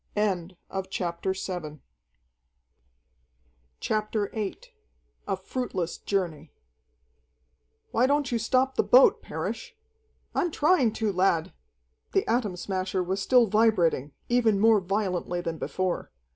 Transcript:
CHAPTER VIII A Fruitless Journey "Why don't you stop the boat, Parrish?" "I'm trying to, lad!" The Atom Smasher was still vibrating, even more violently than before.